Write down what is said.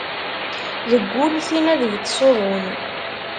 Deg ul tin ad yettṣuḍun.